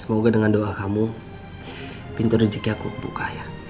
semoga dengan doa kamu pintu rezeki aku buka ya